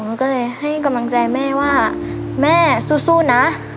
หนูก็เลยให้กำลังใจแม่ว่าแม่สู้นะ